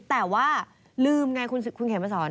แต่ว่าลืมไงคุณเขียนมาสอน